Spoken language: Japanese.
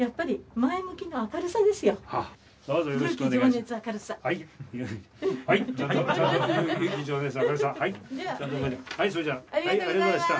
まずよろしくお願いします。